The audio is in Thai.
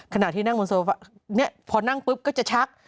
ขณะที่นั่งบนโซฟะพอนั่งปุ๊บก็จะชัก